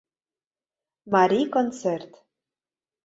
МАРИЙ КОНЦЕРТ